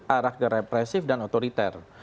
arah the represif dan otoriter